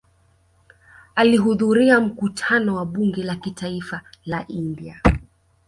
Alihudhuria mkutano wa Bunge la Kitaifa la India